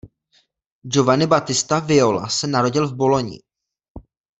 Giovanni Battista Viola se narodil v Bologni.